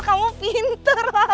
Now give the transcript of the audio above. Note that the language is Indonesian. kamu pinter lah